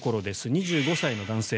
２５歳の男性